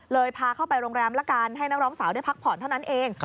พาเข้าไปโรงแรมละกันให้นักร้องสาวได้พักผ่อนเท่านั้นเอง